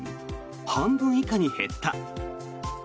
半分以下に減った。